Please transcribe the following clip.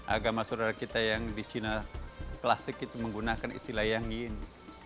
agama saudara kita yang di china klasik itu menggunakan istilah yang ini